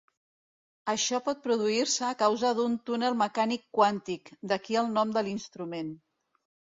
Això pot produir-se a causa d'un túnel mecànic quàntic, d'aquí el nom de l'instrument.